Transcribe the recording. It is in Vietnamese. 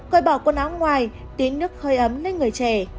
coi bỏ quần áo ngoài tiến nước hơi ấm lên người trẻ